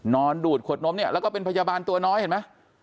ดูดขวดนมเนี่ยแล้วก็เป็นพยาบาลตัวน้อยเห็นไหม